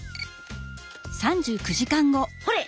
ほれ！